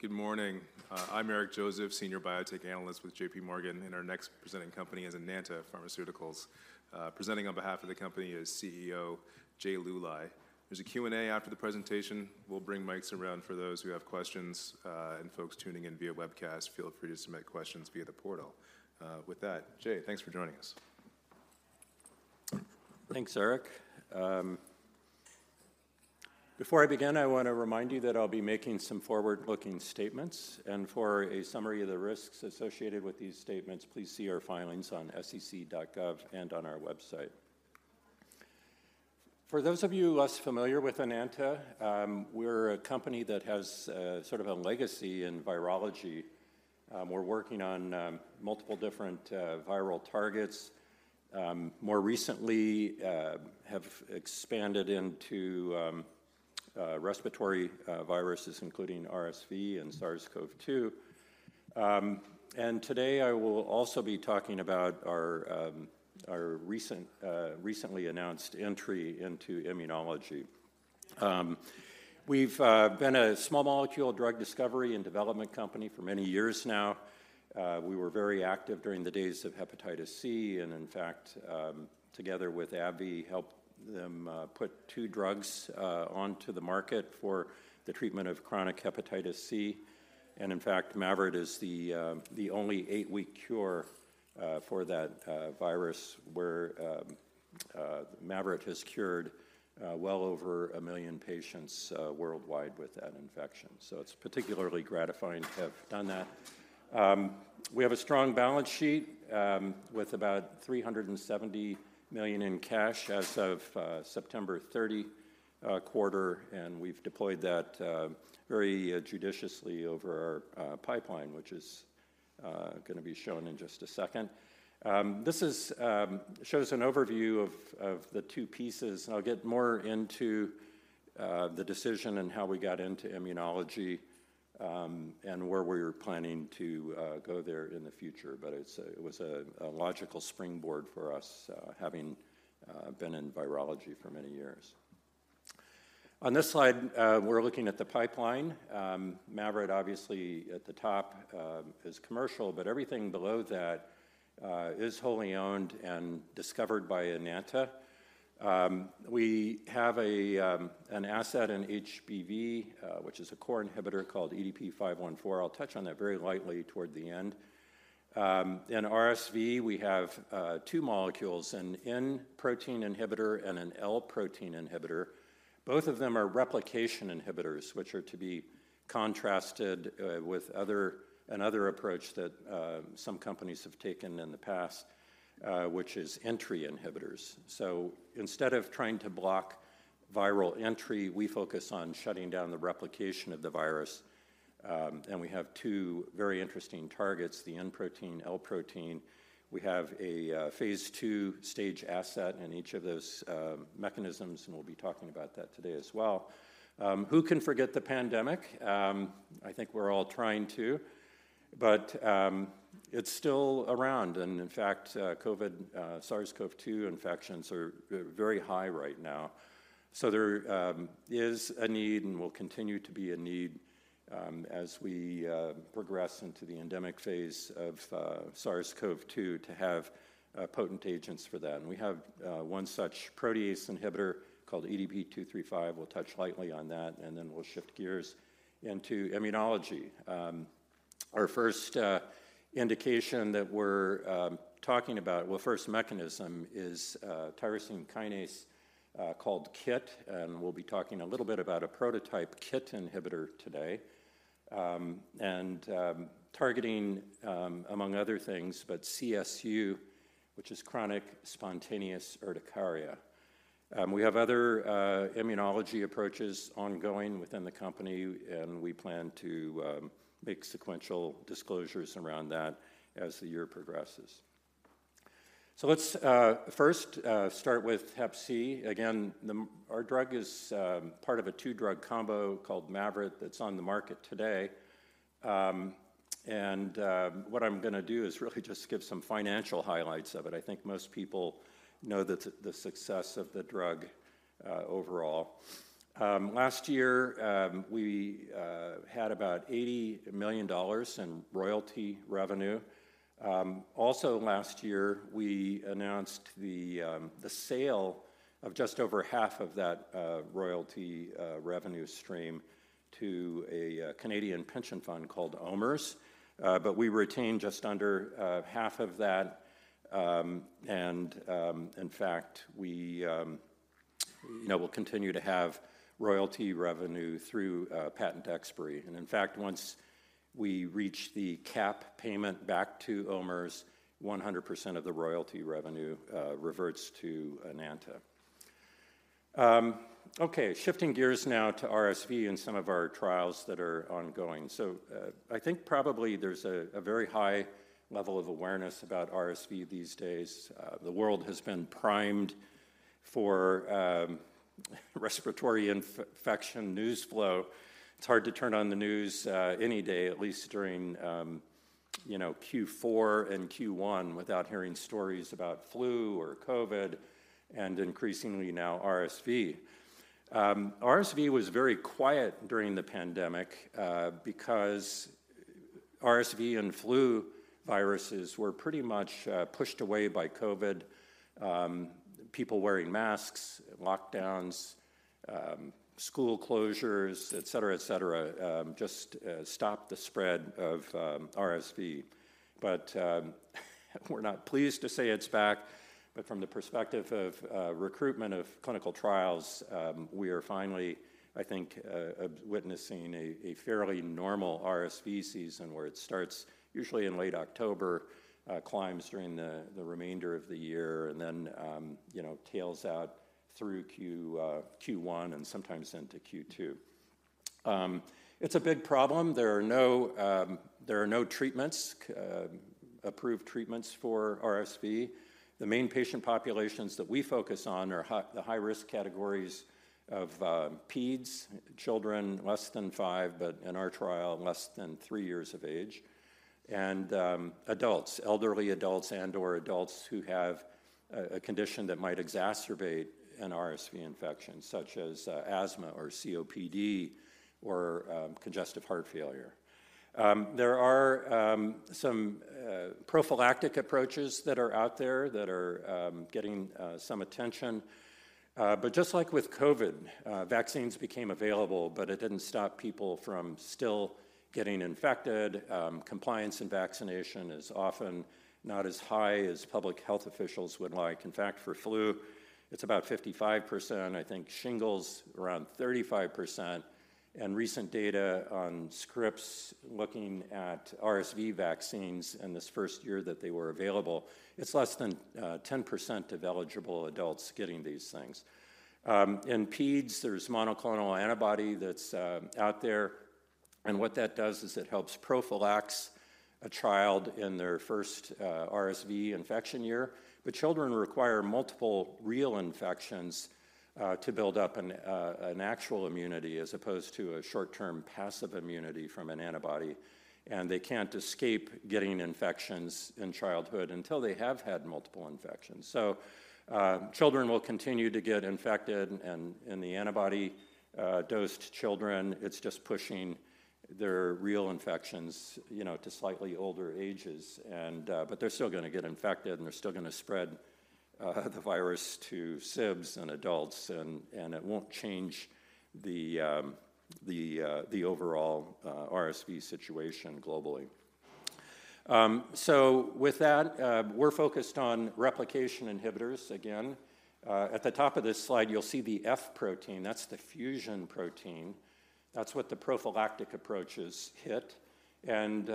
Good morning. I'm Eric Joseph, Senior Biotech Analyst with JPMorgan, and our next presenting company is Enanta Pharmaceuticals. Presenting on behalf of the company is CEO Jay Luly. There's a Q&A after the presentation. We'll bring mics around for those who have questions. Folks tuning in via webcast, feel free to submit questions via the portal. With that, Jay, thanks for joining us. Thanks, Eric. Before I begin, I want to remind you that I'll be making some forward-looking statements, and for a summary of the risks associated with these statements, please see our filings on SEC.gov and on our website. For those of you less familiar with Enanta, we're a company that has sort of a legacy in virology. We're working on multiple different viral targets. More recently, have expanded into respiratory viruses, including RSV and SARS-CoV-2. And today, I will also be talking about our recent recently announced entry into immunology. We've been a small molecule drug discovery and development company for many years now. We were very active during the days of Hepatitis C, and in fact, together with AbbVie, helped them put two drugs onto the market for the treatment of chronic Hepatitis C. And in fact, Mavyret is the only 8-week cure for that virus, where Mavyret has cured well over a million patients worldwide with that infection. So it's particularly gratifying to have done that. We have a strong balance sheet with about $370 million in cash as of September 30 quarter, and we've deployed that very judiciously over our pipeline, which is going to be shown in just a second. This shows an overview of the two pieces, and I'll get more into the decision and how we got into immunology, and where we're planning to go there in the future. But it was a logical springboard for us, having been in virology for many years. On this slide, we're looking at the pipeline. Mavyret, obviously at the top, is commercial, but everything below that is wholly owned and discovered by Enanta. We have an asset in HBV, which is a core inhibitor called EDP-514. I'll touch on that very lightly toward the end. In RSV, we have two molecules, an N protein inhibitor and an L protein inhibitor. Both of them are replication inhibitors, which are to be contrasted with other, another approach that some companies have taken in the past, which is entry inhibitors. So instead of trying to block viral entry, we focus on shutting down the replication of the virus, and we have two very interesting targets, the N protein, L protein. We have a phase II stage asset in each of those mechanisms, and we'll be talking about that today as well. Who can forget the pandemic? I think we're all trying to, but it's still around, and in fact, COVID, SARS-CoV-2 infections are very high right now. So there is a need and will continue to be a need, as we progress into the endemic phase of SARS-CoV-2, to have potent agents for that. And we have one such protease inhibitor called EDP-235. We'll touch lightly on that, and then we'll shift gears into immunology. Our first indication that we're talking about, well, first mechanism, is tyrosine kinase called KIT, and we'll be talking a little bit about a prototype KIT inhibitor today. And targeting among other things, but CSU, which is chronic spontaneous urticaria. We have other immunology approaches ongoing within the company, and we plan to make sequential disclosures around that as the year progresses. So let's first start with Hep C. Again, our drug is part of a two-drug combo called Mavyret that's on the market today. And what I'm going to do is really just give some financial highlights of it. I think most people know the success of the drug overall. Last year, we had about $80 million in royalty revenue. Also last year, we announced the sale of just over half of that royalty revenue stream to a Canadian pension fund called OMERS. But we retained just under half of that. And, in fact, you know, we will continue to have royalty revenue through patent expiry. And in fact, once we reach the cap payment back to OMERS, 100% of the royalty revenue reverts to Enanta. Okay, shifting gears now to RSV and some of our trials that are ongoing. So, I think probably there's a very high level of awareness about RSV these days. The world has been primed for respiratory infection news flow. It's hard to turn on the news, any day, at least during, you know, Q4 and Q1 without hearing stories about flu or COVID, and increasingly now RSV. RSV was very quiet during the pandemic, because RSV and flu viruses were pretty much pushed away by COVID. People wearing masks, lockdowns, school closures, et cetera, et cetera just stopped the spread of RSV. But we're not pleased to say it's back, but from the perspective of recruitment of clinical trials, we are finally, I think, witnessing a fairly normal RSV season, where it starts usually in late October, climbs during the remainder of the year, and then, you know, tails out through Q1 and sometimes into Q2. It's a big problem. There are no approved treatments for RSV. The main patient populations that we focus on are the high-risk categories of peds, children less than five, but in our trial, less than three years of age, and adults, elderly adults and/or adults who have a condition that might exacerbate an RSV infection, such as asthma or COPD or congestive heart failure. There are some prophylactic approaches that are out there that are getting some attention. But just like with COVID, vaccines became available, but it didn't stop people from still getting infected. Compliance in vaccination is often not as high as public health officials would like. In fact, for flu, it's about 55%, I think shingles around 35%, and recent data on scripts looking at RSV vaccines in this first year that they were available, it's less than 10% of eligible adults getting these things. In peds, there's monoclonal antibody that's out there, and what that does is it helps prophylax a child in their first RSV infection year. But children require multiple real infections to build up an actual immunity as opposed to a short-term passive immunity from an antibody, and they can't escape getting infections in childhood until they have had multiple infections. So, children will continue to get infected, and the antibody dosed children, it's just pushing their real infections, you know, to slightly older ages, and but they're still gonna get infected, and they're still gonna spread the virus to sibs and adults, and it won't change the overall RSV situation globally. So with that, we're focused on replication inhibitors again. At the top of this slide, you'll see the F protein. That's the fusion protein. That's what the prophylactic approaches hit, and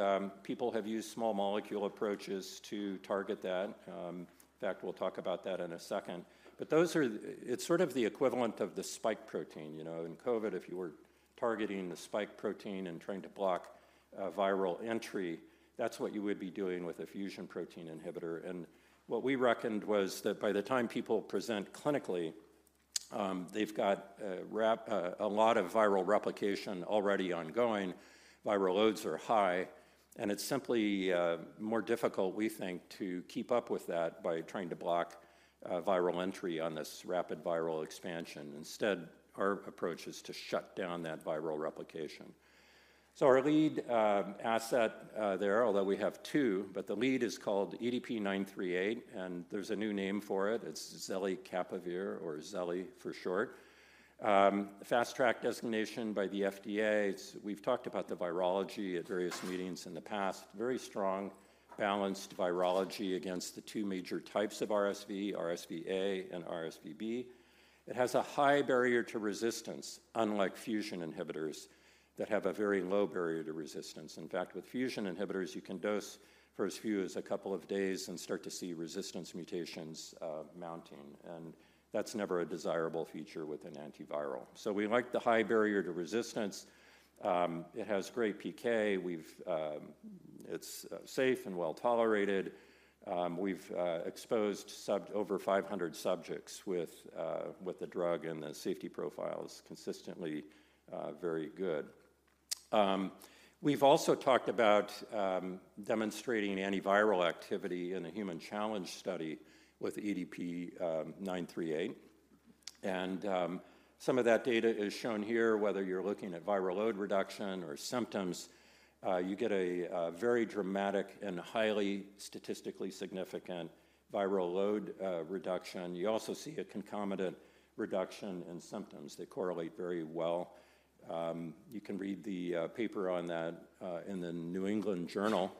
people have used small molecule approaches to target that. In fact, we'll talk about that in a second. But those are the, It's sort of the equivalent of the spike protein. You know, in COVID, if you were targeting the spike protein and trying to block viral entry, that's what you would be doing with a fusion protein inhibitor. And what we reckoned was that by the time people present clinically, they've got a lot of viral replication already ongoing. Viral loads are high, and it's simply more difficult, we think, to keep up with that by trying to block viral entry on this rapid viral expansion. Instead, our approach is to shut down that viral replication. So our lead asset there, although we have two, but the lead is called EDP-938, and there's a new name for it. It's zelicapavir, or Zeli for short. Fast Track designation by the FDA, it's we've talked about the virology at various meetings in the past. Very strong, balanced virology against the two major types of RSV, RSV-A and RSV-B. It has a high barrier to resistance, unlike fusion inhibitors that have a very low barrier to resistance. In fact, with fusion inhibitors, you can dose for as few as a couple of days and start to see resistance mutations mounting, and that's never a desirable feature with an antiviral. So we like the high barrier to resistance. It has great PK. We've exposed over 500 subjects with the drug, and the safety profile is consistently very good. We've also talked about demonstrating antiviral activity in a human challenge study with EDP-938, and some of that data is shown here. Whether you're looking at viral load reduction or symptoms, you get a very dramatic and highly statistically significant viral load reduction. You also see a concomitant reduction in symptoms. They correlate very well. You can read the paper on that in the New England Journal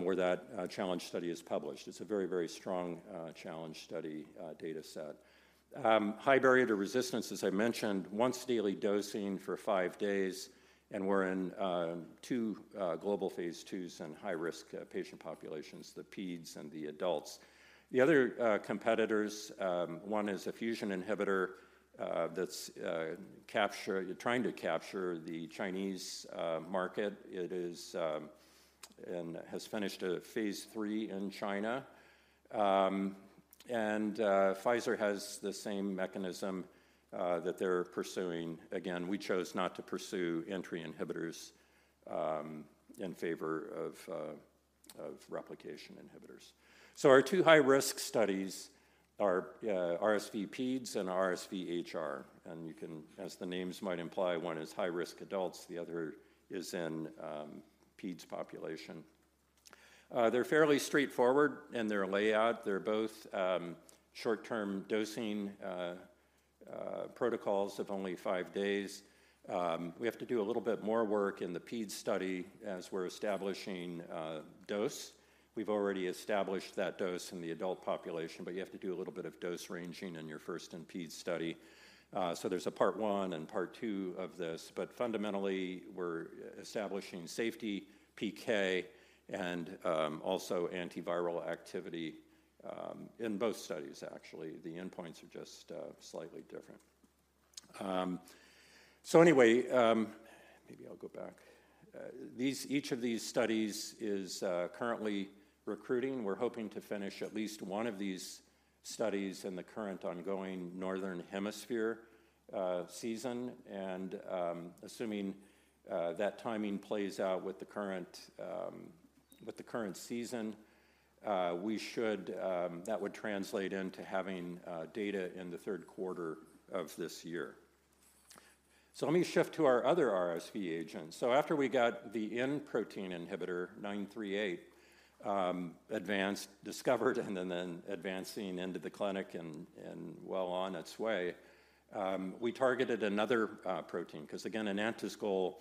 where that challenge study is published. It's a very, very strong challenge study data set. High barrier to resistance, as I mentioned, once-daily dosing for five days, and we're in two global phase IIs in high-risk patient populations, the peds and the adults. The other competitors, one is a fusion inhibitor that's capture trying to capture the Chinese market. It is and has finished a phase III in China. And Pfizer has the same mechanism that they're pursuing. Again, we chose not to pursue entry inhibitors in favor of replication inhibitors. So our two high-risk studies are RSV Peds and RSV HR. And you can, as the names might imply, one is high-risk adults, the other is in peds population. They're fairly straightforward in their layout. They're both short-term dosing protocols of only five days. We have to do a little bit more work in the peds study as we're establishing dose. We've already established that dose in the adult population, but you have to do a little bit of dose ranging in your first in peds study. So there's a part one and part two of this, but fundamentally, we're establishing safety, PK, and also antiviral activity in both studies, actually. The endpoints are just slightly different. So anyway, maybe I'll go back. Each of these studies is currently recruiting. We're hoping to finish at least one of these studies in the current ongoing Northern Hemisphere season, and assuming that timing plays out with the current season, we should. That would translate into having data in the third quarter of this year. So let me shift to our other RSV agents. So after we got the N protein inhibitor 938 advanced, discovered, and then advancing into the clinic and well on its way, we targeted another protein. Because, again, Enanta's goal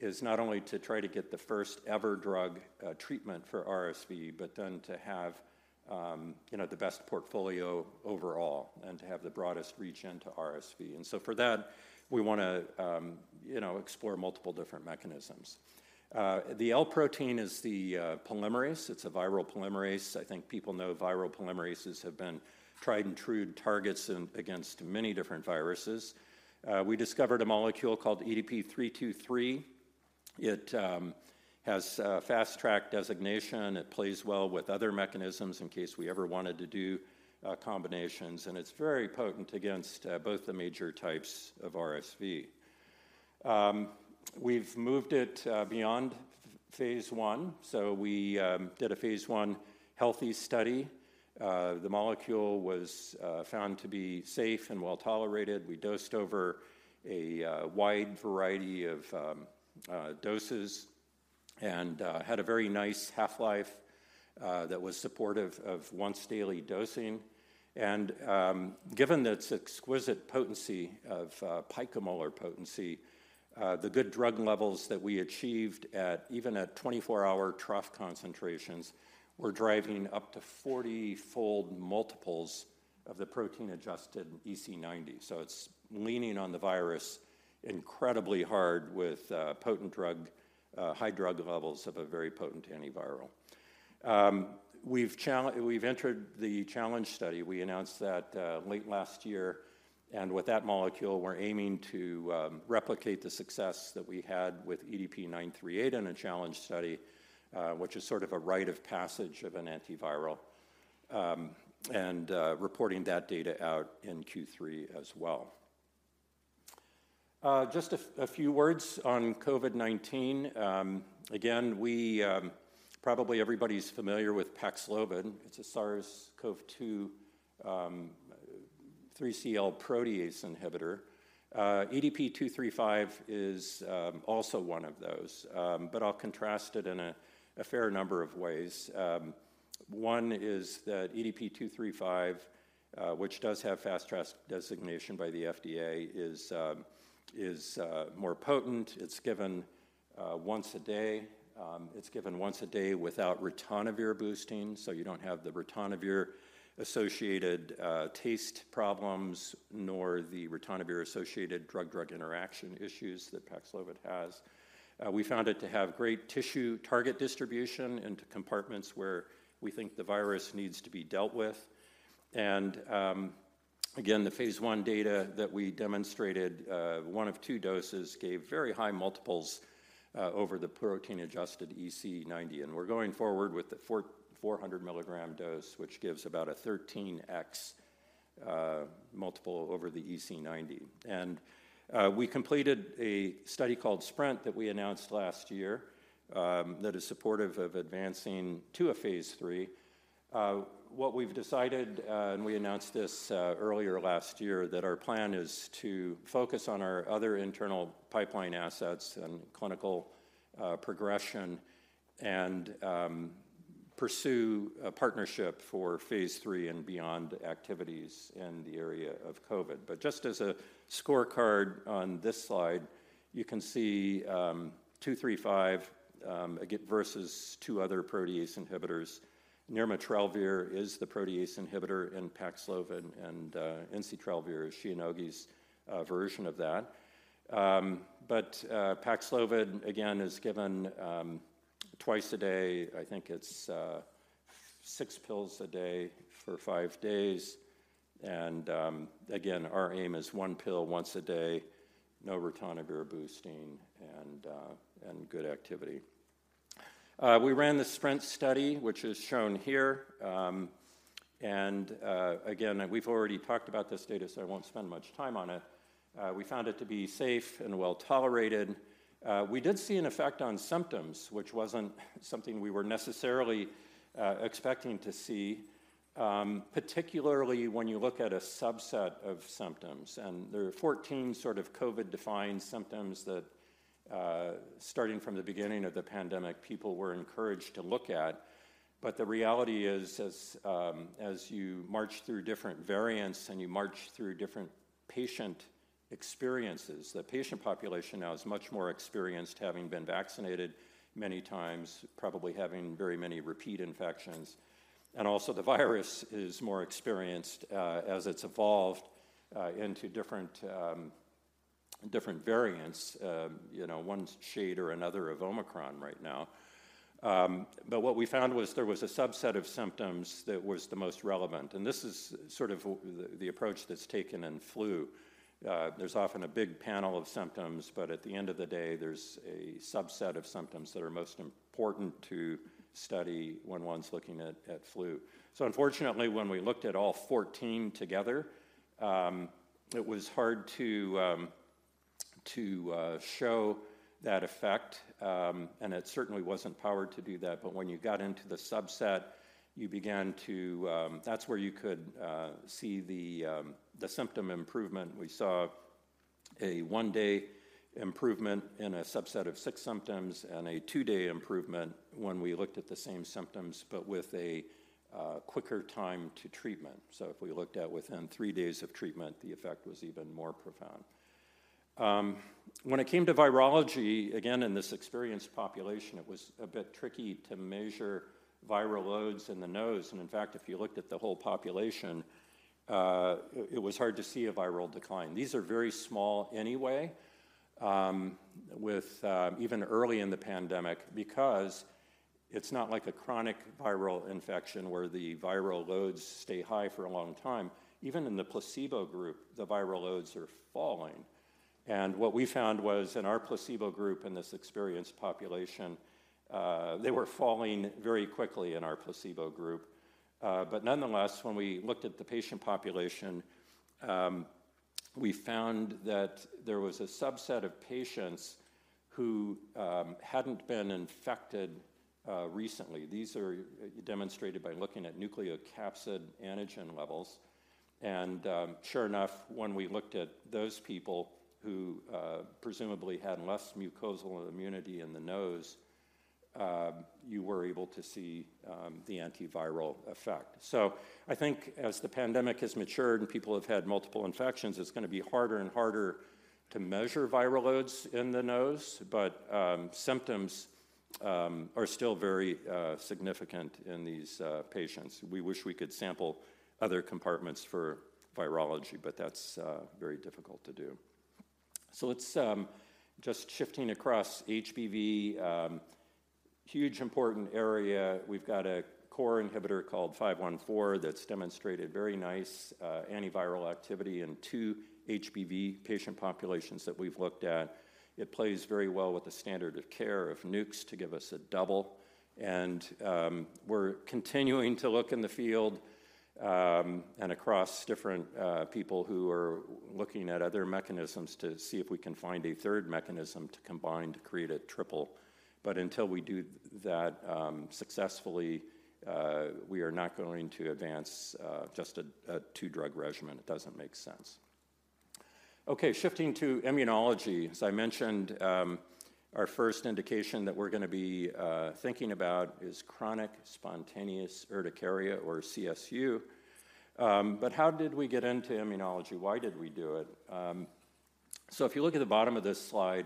is not only to try to get the first-ever drug treatment for RSV, but then to have, you know, the best portfolio overall and to have the broadest reach into RSV. So for that, we wanna, you know, explore multiple different mechanisms. The L protein is the polymerase. It's a viral polymerase. I think people know viral polymerases have been tried and true targets against many different viruses. We discovered a molecule called EDP-323. It has Fast Track designation. It plays well with other mechanisms in case we ever wanted to do combinations, and it's very potent against both the major types of RSV. We've moved it beyond phase I. So we did a phase I healthy study. The molecule was found to be safe and well tolerated. We dosed over a wide variety of doses and had a very nice half-life that was supportive of once-daily dosing. Given its exquisite potency of picomolar potency, the good drug levels that we achieved at even at 24-hour trough concentrations were driving up to 40-fold multiples of the protein-adjusted EC90. So it's leaning on the virus incredibly hard with potent drug, high drug levels of a very potent antiviral. We've entered the challenge study. We announced that late last year, and with that molecule, we're aiming to replicate the success that we had with EDP-938 in a challenge study, which is sort of a rite of passage of an antiviral, and reporting that data out in Q3 as well. Just a few words on COVID-19. Again, probably everybody's familiar with Paxlovid. It's a SARS-CoV-2 3CL protease inhibitor. EDP-235 is also one of those, but I'll contrast it in a fair number of ways. One is that EDP-235, which does have Fast Track designation by the FDA, is more potent. It's given once a day. It's given once a day without ritonavir boosting, so you don't have the ritonavir-associated taste problems, nor the ritonavir-associated drug-drug interaction issues that Paxlovid has. We found it to have great tissue target distribution into compartments where we think the virus needs to be dealt with. And again, the phase I data that we demonstrated, one of two doses gave very high multiples over the protein-adjusted EC90, and we're going forward with the 400 mg dose, which gives about a 13x multiple over the EC90. We completed a study called SPRINT that we announced last year that is supportive of advancing to a phase III. What we've decided and we announced this earlier last year that our plan is to focus on our other internal pipeline assets and clinical progression and pursue a partnership for phase III and beyond activities in the area of COVID. But just as a scorecard on this slide, you can see 235 versus two other protease inhibitors. Nirmatrelvir is the protease inhibitor in Paxlovid, and ensitrelvir is Shionogi's version of that. But Paxlovid, again, is given twice a day. I think it's six pills a day for five days. Again, our aim is one pill once a day, no ritonavir boosting, and good activity. We ran the SPRINT study, which is shown here. Again, we've already talked about this data, so I won't spend much time on it. We found it to be safe and well-tolerated. We did see an effect on symptoms, which wasn't something we were necessarily expecting to see, particularly when you look at a subset of symptoms. There are 14 sort of COVID-defined symptoms that, starting from the beginning of the pandemic, people were encouraged to look at. But the reality is, as you march through different variants and you march through different patient experiences, the patient population now is much more experienced, having been vaccinated many times, probably having very many repeat infections. Also the virus is more experienced, as it's evolved, into different, different variants, you know, one shade or another of Omicron right now. But what we found was there was a subset of symptoms that was the most relevant, and this is sort of the, the approach that's taken in flu. There's often a big panel of symptoms, but at the end of the day, there's a subset of symptoms that are most important to study when one's looking at, at flu. So unfortunately, when we looked at all 14 together, it was hard to, to, show that effect, and it certainly wasn't powered to do that. But when you got into the subset, you began to. That's where you could, see the, the symptom improvement. We saw a one-day improvement in a subset of six symptoms and a two-day improvement when we looked at the same symptoms, but with a quicker time to treatment. So if we looked at within three days of treatment, the effect was even more profound. When it came to virology, again, in this experienced population, it was a bit tricky to measure viral loads in the nose, and in fact, if you looked at the whole population, it, it was hard to see a viral decline. These are very small anyway, with even early in the pandemic, because it's not like a chronic viral infection where the viral loads stay high for a long time. Even in the placebo group, the viral loads are falling, and what we found was in our placebo group, in this experienced population, they were falling very quickly in our placebo group. But nonetheless, when we looked at the patient population, we found that there was a subset of patients who hadn't been infected recently. These are demonstrated by looking at nucleocapsid antigen levels, and sure enough, when we looked at those people who presumably had less mucosal immunity in the nose, you were able to see the antiviral effect. So I think as the pandemic has matured and people have had multiple infections, it's gonna be harder and harder to measure viral loads in the nose, but symptoms are still very significant in these patients. We wish we could sample other compartments for virology, but that's very difficult to do. So let's just shifting across HBV, huge important area. We've got a core inhibitor called 514 that's demonstrated very nice antiviral activity in two HBV patient populations that we've looked at. It plays very well with the standard of care of NUCs to give us a double. And we're continuing to look in the field and across different people who are looking at other mechanisms to see if we can find a third mechanism to combine to create a triple. But until we do that successfully, we are not going to advance just a two-drug regimen. It doesn't make sense. Okay, shifting to immunology. As I mentioned, our first indication that we're gonna be thinking about is chronic spontaneous urticaria, or CSU. But how did we get into immunology? Why did we do it? So if you look at the bottom of this slide,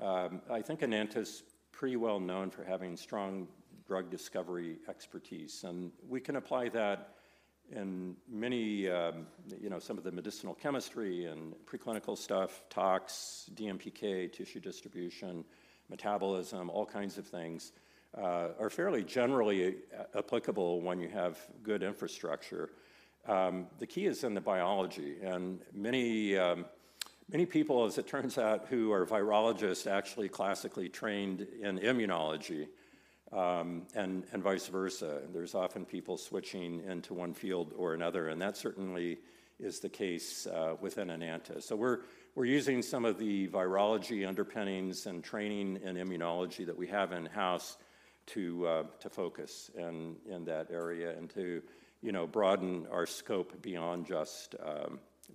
I think Enanta's pretty well known for having strong drug discovery expertise, and we can apply that in many, you know, some of the medicinal chemistry and preclinical stuff, tox, DMPK, tissue distribution, metabolism, all kinds of things, are fairly generally applicable when you have good infrastructure. The key is in the biology, and many, many people, as it turns out, who are virologists, actually classically trained in immunology, and vice versa. There's often people switching into one field or another, and that certainly is the case within Enanta. So we're using some of the virology underpinnings and training in immunology that we have in-house to focus in that area and to, you know, broaden our scope beyond just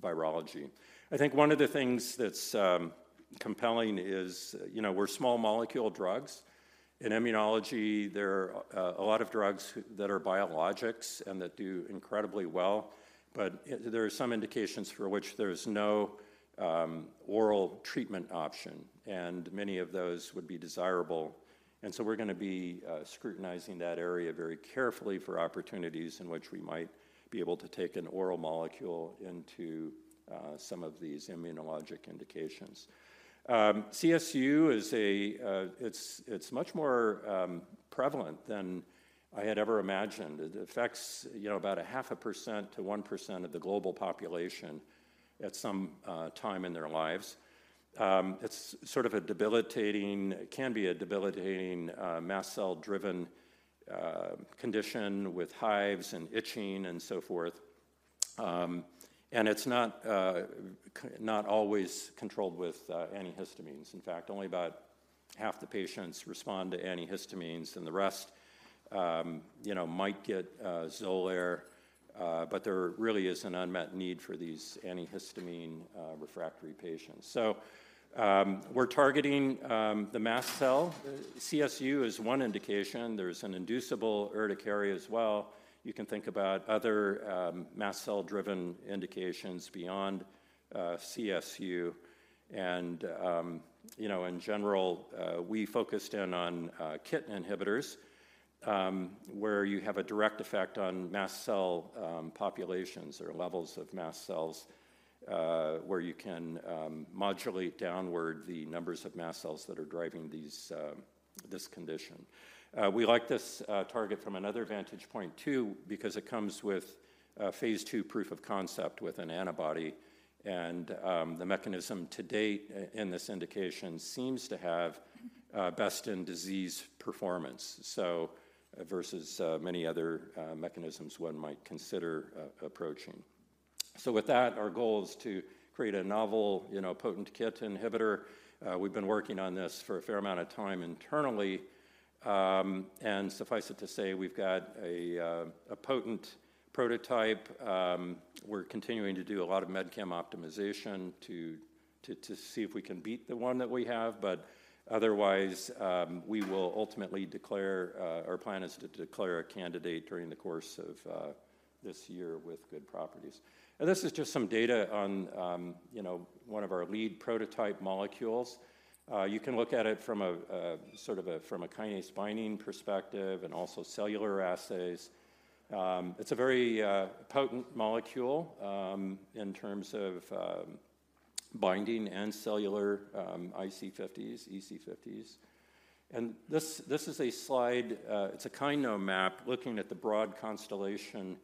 virology. I think one of the things that's compelling is, you know, we're small molecule drugs. In immunology, there are a lot of drugs that are biologics and that do incredibly well, but there are some indications for which there's no oral treatment option, and many of those would be desirable. And so we're gonna be scrutinizing that area very carefully for opportunities in which we might be able to take an oral molecule into some of these immunologic indications. CSU is a, it's much more prevalent than I had ever imagined. It affects, you know, about 0.5%-1% of the global population at some time in their lives. It's sort of a debilitating, it can be a debilitating, mast cell-driven condition with hives and itching and so forth. And it's not always controlled with antihistamines. In fact, only about half the patients respond to antihistamines, and the rest, you know, might get Xolair, but there really is an unmet need for these antihistamine refractory patients. So, we're targeting the mast cell. CSU is one indication. There's an inducible urticaria as well. You can think about other mast cell-driven indications beyond CSU, and you know, in general, we focused in on KIT inhibitors, where you have a direct effect on mast cell populations or levels of mast cells, where you can modulate downward the numbers of mast cells that are driving these this condition. We like this target from another vantage point, too, because it comes with a phase II proof of concept with an antibody, and the mechanism to date in this indication seems to have best in disease performance, so versus many other mechanisms one might consider approaching. So with that, our goal is to create a novel, you know, potent KIT inhibitor. We've been working on this for a fair amount of time internally, and suffice it to say, we've got a potent prototype. We're continuing to do a lot of med chem optimization to see if we can beat the one that we have, but otherwise, we will ultimately declare our plan is to declare a candidate during the course of this year with good properties. And this is just some data on, you know, one of our lead prototype molecules. You can look at it from a sort of kinase binding perspective and also cellular assays. It's a very potent molecule in terms of binding and cellular IC50s, EC50s. This is a slide, it's a kinome map looking at the broad constellation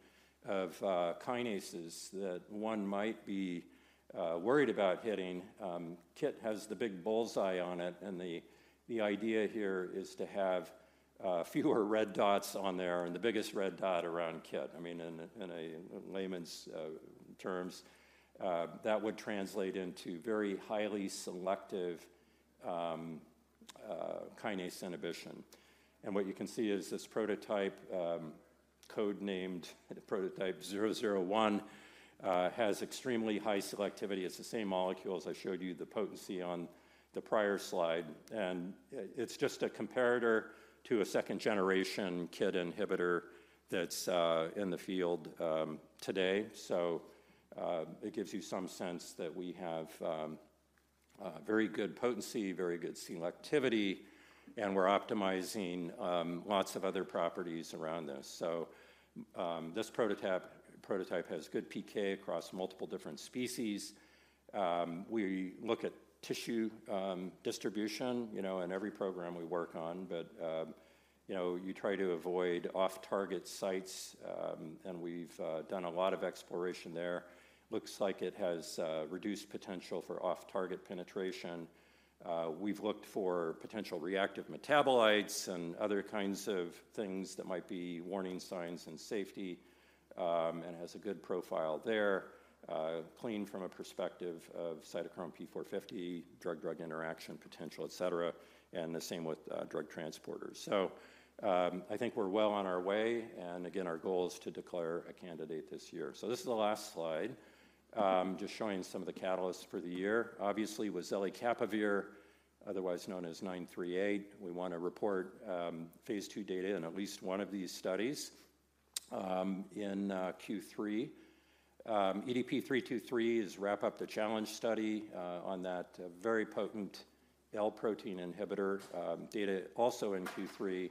of kinases that one might be worried about hitting. KIT has the big bullseye on it, and the idea here is to have fewer red dots on there and the biggest red dot around KIT. I mean, in a layman's terms, that would translate into very highly selective kinase inhibition. And what you can see is this prototype, code-named Prototype 001, has extremely high selectivity. It's the same molecule as I showed you, the potency on the prior slide, and it's just a comparator to a second-generation KIT inhibitor that's in the field today. It gives you some sense that we have a very good potency, very good selectivity, and we're optimizing lots of other properties around this. This prototype has good PK across multiple different species. We look at tissue distribution, you know, in every program we work on, but, you know, you try to avoid off-target sites, and we've done a lot of exploration there. Looks like it has reduced potential for off-target penetration. We've looked for potential reactive metabolites and other kinds of things that might be warning signs in safety, and has a good profile there, clean from a perspective of cytochrome P450, drug-drug interaction potential, et cetera, and the same with drug transporters. I think we're well on our way, and again, our goal is to declare a candidate this year. This is the last slide. Just showing some of the catalysts for the year. Obviously, zelicapavir, otherwise known as 938. We want to report phase II data in at least one of these studies in Q3. EDP-323 is wrap up the challenge study on that very potent L-protein inhibitor, data also in Q3,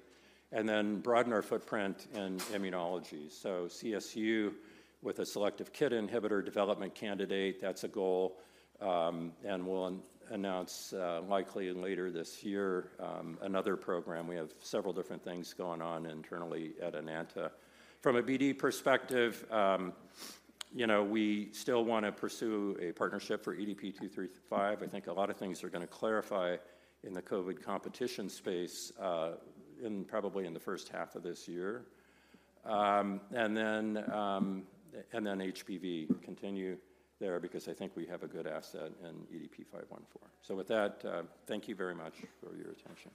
and then broaden our footprint in immunology. CSU with a selective KIT inhibitor development candidate, that's a goal, and we'll announce likely later this year another program. We have several different things going on internally at Enanta. From a BD perspective, you know, we still want to pursue a partnership for EDP-235. I think a lot of things are gonna clarify in the COVID competition space, probably in the first half of this year. And then HBV, continue there because I think we have a good asset in EDP-514. So with that, thank you very much for your attention.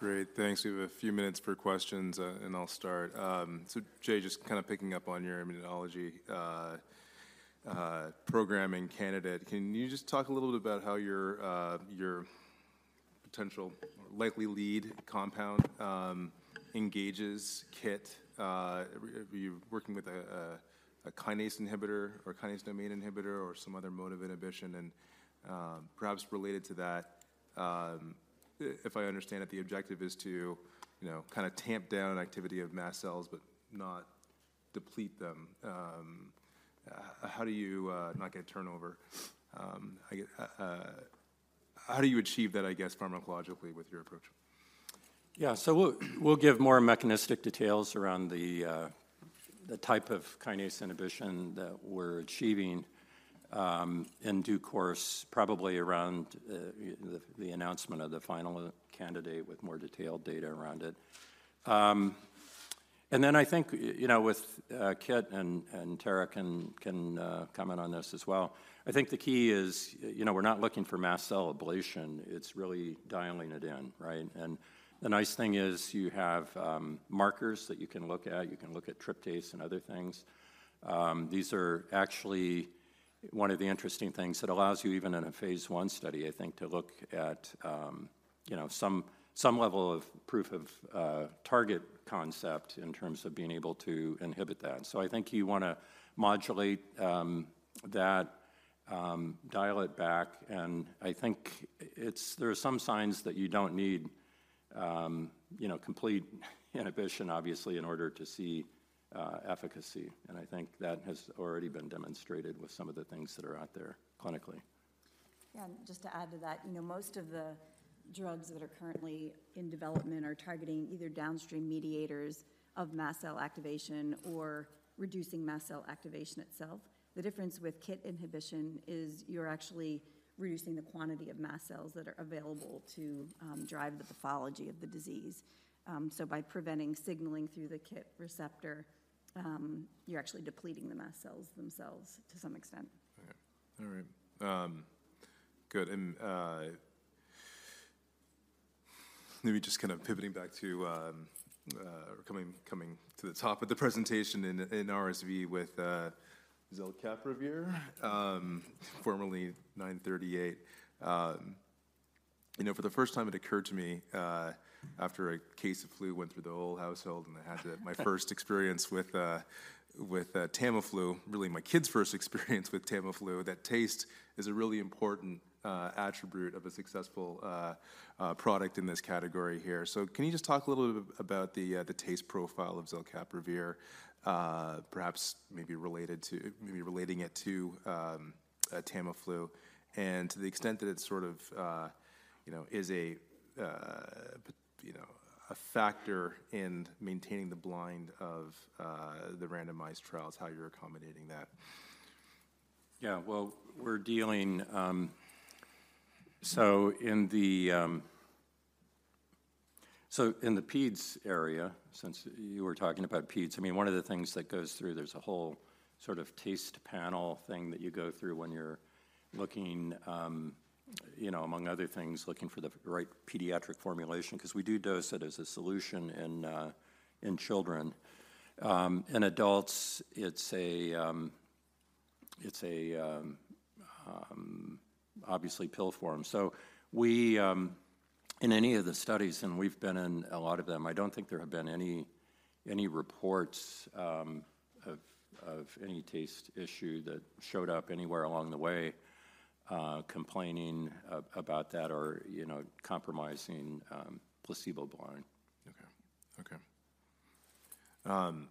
Great. Thanks. We have a few minutes for questions, and I'll start. So Jay, just kind of picking up on your immunology programming candidate, can you just talk a little bit about how your your potential likely lead compound engages KIT? Are you working with a kinase inhibitor or a kinase domain inhibitor or some other mode of inhibition? And perhaps related to that, if I understand it, the objective is to, you know, kind of tamp down activity of mast cells, but not deplete them, how do you not get turnover? How do you achieve that, I guess, pharmacologically with your approach? Yeah, so we'll give more mechanistic details around the type of kinase inhibition that we're achieving, in due course, probably around the announcement of the final candidate with more detailed data around it. And then I think, you know, with KIT, and Tara can comment on this as well, I think the key is, you know, we're not looking for mast cell ablation. It's really dialing it in, right? And the nice thing is you have markers that you can look at. You can look at tryptase and other things. These are actually one of the interesting things that allows you, even in a phase I study, I think, to look at, you know, some level of proof of target concept in terms of being able to inhibit that. So I think you want to modulate that dial it back, and I think there are some signs that you don't need, you know, complete inhibition, obviously, in order to see efficacy, and I think that has already been demonstrated with some of the things that are out there clinically. Yeah, just to add to that, you know, most of the drugs that are currently in development are targeting either downstream mediators of mast cell activation or reducing mast cell activation itself. The difference with KIT inhibition is you're actually reducing the quantity of mast cells that are available to drive the pathology of the disease. So by preventing signaling through the KIT receptor, you're actually depleting the mast cells themselves to some extent. All right. Good, and maybe just kind of pivoting back to coming to the top of the presentation in RSV with zelicapavir, formerly 938. You know, for the first time, it occurred to me after a case of flu went through the whole household, and I had my first experience with Tamiflu, really my kid's first experience with Tamiflu, that taste is a really important attribute of a successful product in this category here. So can you just talk a little bit about the taste profile of zelicapavir? Perhaps maybe related to, maybe relating it to, Tamiflu, and to the extent that it's sort of, you know, is a, you know, a factor in maintaining the blind of the randomized trials, how you're accommodating that? Yeah. Well, we're dealing. So in the peds area, since you were talking about peds, I mean, one of the things that goes through, there's a whole sort of taste panel thing that you go through when you're looking, you know, among other things, looking for the right pediatric formulation because we do dose it as a solution in children. In adults, it's obviously pill form. So we in any of the studies, and we've been in a lot of them, I don't think there have been any reports of any taste issue that showed up anywhere along the way, complaining about that or, you know, compromising placebo blind. Okay. And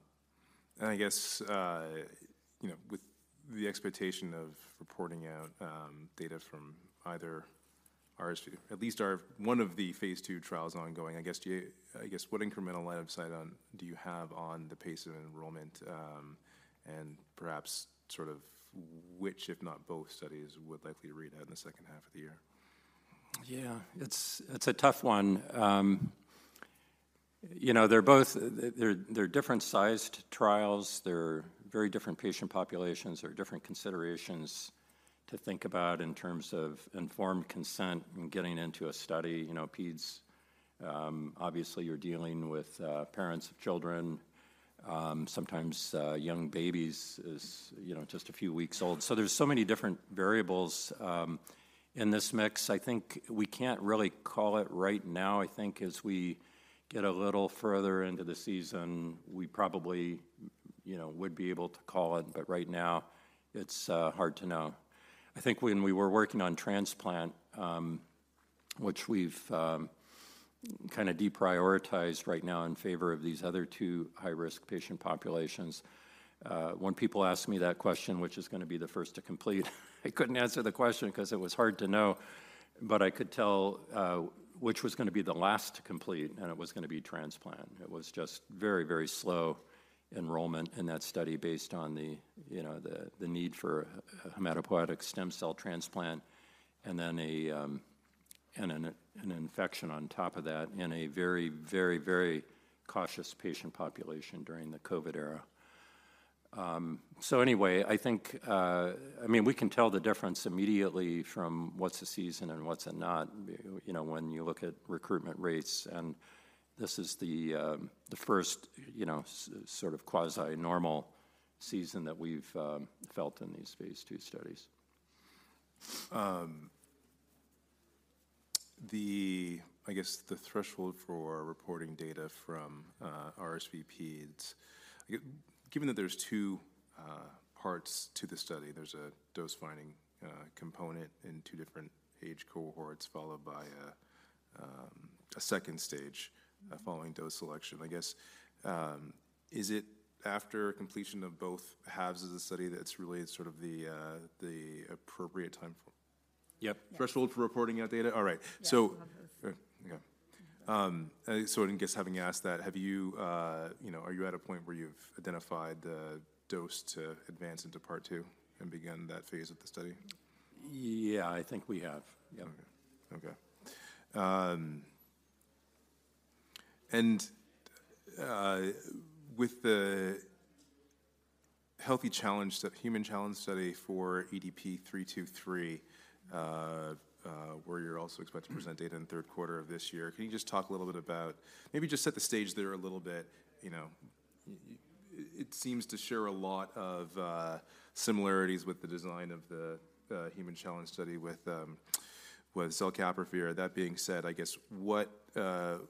I guess, you know, with the expectation of reporting out data from either at least our one of the phase II trials ongoing, I guess, what incremental line of sight on do you have on the pace of enrollment, and perhaps sort of which, if not both, studies would likely read out in the second half of the year? Yeah, it's, it's a tough one. You know, they're both, they're, they're different-sized trials. They're very different patient populations. There are different considerations to think about in terms of informed consent and getting into a study. You know, peds, obviously, you're dealing with, parents of children, sometimes, young babies is, you know, just a few weeks old. So there's so many different variables, in this mix. I think we can't really call it right now. I think as we get a little further into the season, we probably, you know, would be able to call it, but right now, it's, hard to know. I think when we were working on transplant, which we've kinda deprioritized right now in favor of these other two high-risk patient populations, when people ask me that question, which is gonna be the first to complete, I couldn't answer the question because it was hard to know, but I could tell which was gonna be the last to complete, and it was gonna be transplant. It was just very, very slow enrollment in that study based on, you know, the need for a hematopoietic stem cell transplant and then an infection on top of that in a very, very, very cautious patient population during the COVID era. So anyway, I think, I mean, we can tell the difference immediately from what's a season and what's not, you know, when you look at recruitment rates, and this is the first, you know, sort of quasi-normal season that we've felt in these phase II studies. I guess, the threshold for reporting data from RSV. Given that there's two parts to the study. There's a dose-finding component in two different age cohorts, followed by a second stage following dose selection. I guess, is it after completion of both halves of the study that's really sort of the appropriate time for- Yep. Yes. Threshold for reporting out data? All right. Yes. So, yeah. So I guess having asked that, have you, you know, are you at a point where you've identified the dose to advance into part two and begun that phase of the study? Yeah, I think we have. Yep. Okay. And with the healthy challenge, the human challenge study for EDP-323, where you're also expected to present data in the third quarter of this year, can you just talk a little bit about, maybe just set the stage there a little bit. You know, it seems to share a lot of similarities with the design of the human challenge study with zelicapavir. That being said, I guess, what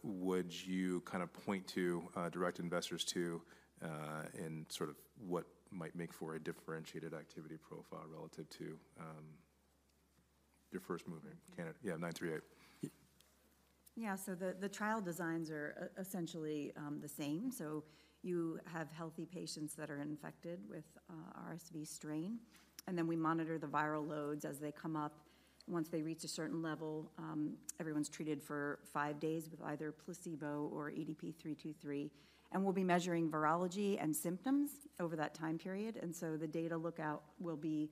would you kind of point to direct investors to in sort of what might make for a differentiated activity profile relative to your first mover candidate? Yeah, 938. Yeah. So the trial designs are essentially the same. So you have healthy patients that are infected with an RSV strain, and then we monitor the viral loads as they come up. Once they reach a certain level, everyone's treated for five days with either placebo or EDP-323, and we'll be measuring virology and symptoms over that time period. And so the data readout will be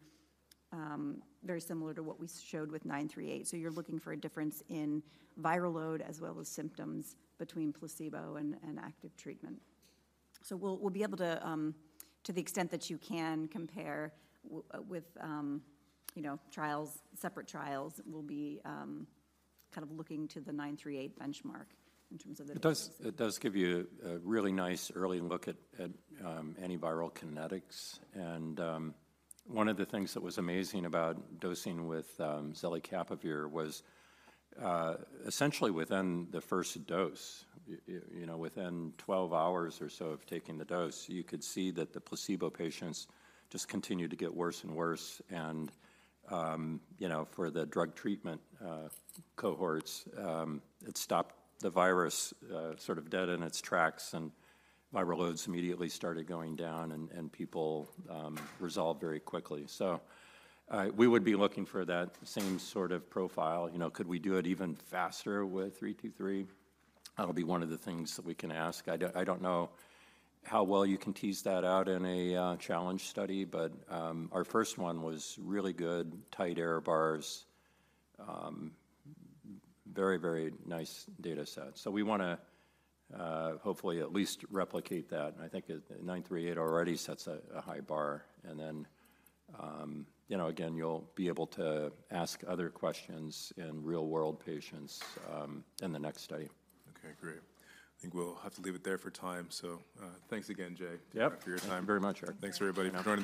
very similar to what we showed with 938. So you're looking for a difference in viral load as well as symptoms between placebo and active treatment. So we'll be able to, to the extent that you can compare with, you know, trials, separate trials, we'll be kind of looking to the 938 benchmark in terms of the- It does, it does give you a really nice early look at antiviral kinetics. And one of the things that was amazing about dosing with zelicapavir was essentially within the first dose, you know, within 12 hours or so of taking the dose, you could see that the placebo patients just continued to get worse and worse. And you know, for the drug treatment cohorts, it stopped the virus sort of dead in its tracks, and viral loads immediately started going down, and people resolved very quickly. So we would be looking for that same sort of profile. You know, could we do it even faster with 323? That'll be one of the things that we can ask. I don't know how well you can tease that out in a challenge study, but our first one was really good, tight error bars. Very, very nice data set. So we wanna hopefully at least replicate that. And I think 938 already sets a high bar. And then, you know, again, you'll be able to ask other questions in real-world patients in the next study. Okay, great. I think we'll have to leave it there for time, so, thanks again, Jay. Yep. For your time. Very much. Thanks, everybody, for joining the call.